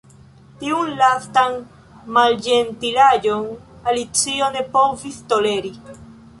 Tiun lastan malĝentilaĵon Alicio ne povis toleri.